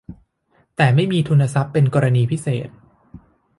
แต่ไม่มีทุนทรัพย์เป็นกรณีพิเศษ